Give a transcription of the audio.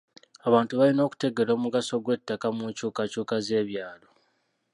Abantu balina okutegeera omugaso gw'ettaka mu nkyukakyuka z'ebyalo.